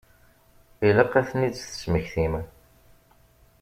Ilaq ad tent-id-tesmektim.